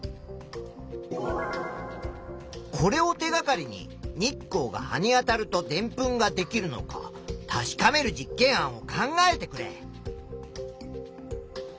これを手がかりに日光が葉にあたるとでんぷんができるのか確かめる実験案を考えてくれ。